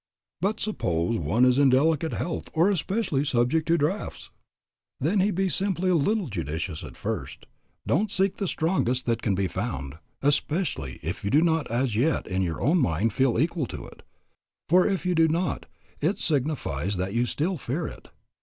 "But suppose one is in delicate health, or especially subject to drafts?" Then be simply a little judicious at first; don't seek the strongest that can be found, especially if you do not as yet in your own mind feel equal to it, for if you do not, it signifies that you still fear it.